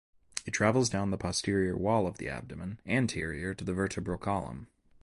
It travels down the posterior wall of the abdomen, anterior to the vertebral column.